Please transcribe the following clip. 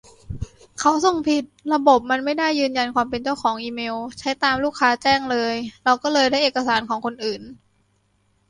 เขาส่งผิด ระบบมันไม่ได้ยืนยันความเป็นเจ้าของอีเมล ใช้ตามลูกค้าแจ้งเลย เราก็เลยได้เอกสารของคนอื่น